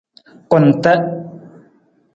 Kunta.